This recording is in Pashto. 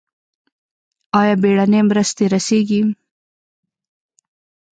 آیا بیړنۍ مرستې رسیږي؟